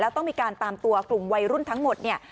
และต้องมีการตามตัวกลุ่มวัยรุ่นทั้งหมด